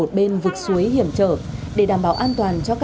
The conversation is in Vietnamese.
chúng ta sẽ trao bà con nghỉ mục